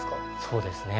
そうですね。